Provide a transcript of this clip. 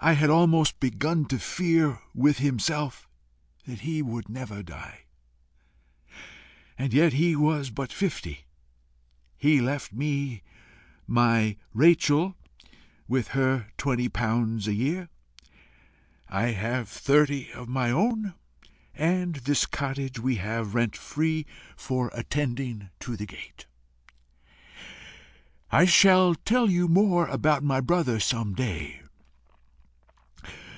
I had almost begun to fear with himself that he would never die. And yet he was but fifty. He left me my Rachel with her twenty pounds a year. I have thirty of my own, and this cottage we have rent free for attending to the gate. I shall tell you more about my brother some day.